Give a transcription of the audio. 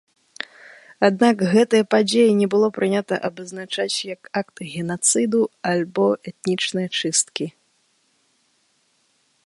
Аднак, гэтыя падзеі не было прынята абазначаць як акт генацыду або этнічныя чысткі.